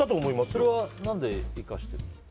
それは何で生かしてるの？